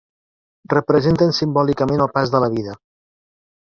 Representen simbòlicament el pas de la vida.